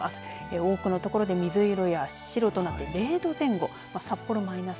多くの所で水色や白となって０度前後、札幌もあります